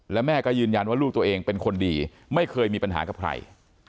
และแม่ก็ยืนยันว่าลูกตัวเองเป็นคนดีไม่เคยมีปัญหากับใคร